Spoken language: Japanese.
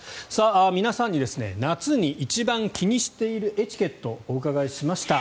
皆さんに夏に一番気にしているエチケットをお伺いしました。